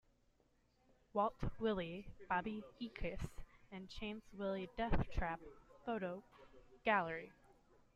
Walt Willey, Bobbie Eakes and Chance Willey DeathTrap photo gallery.